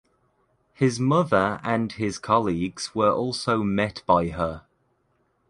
His mother and his colleagues were also met by her.